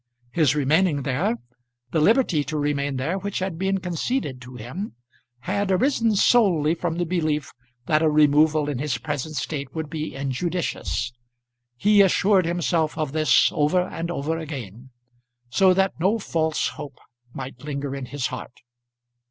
His remaining there, the liberty to remain there which had been conceded to him, had arisen solely from the belief that a removal in his present state would be injudicious. He assured himself of this over and over again, so that no false hope might linger in his heart.